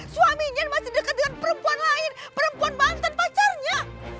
suaminya masih dekat dengan perempuan lain perempuan mantan pacarnya